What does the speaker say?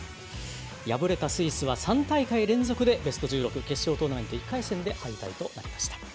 スイスは３大会連続でベスト１６決勝トーナメント１回戦で敗退となりました。